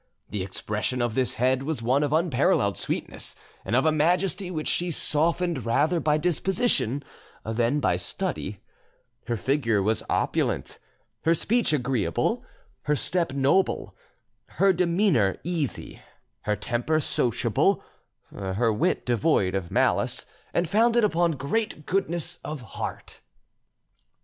The expression of this head was one of unparalleled sweetness and of a majesty which she softened rather by disposition than by study; her figure was opulent, her speech agreeable, her step noble, her demeanour easy, her temper sociable, her wit devoid of malice, and founded upon great goodness of heart."